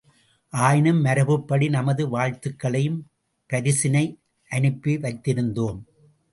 ஆயினும் மரபுப்படி நமது வாழ்த்துக்களையும் பரிசினை அனுப்பிவைத்திருந்தோம்!